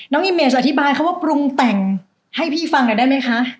อิมเมดจะอธิบายเขาว่าปรุงแต่งให้พี่ฟังหน่อยได้ไหมคะ